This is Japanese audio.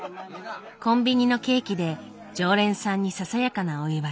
コンビニのケーキで常連さんにささやかなお祝い。